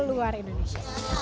ke luar indonesia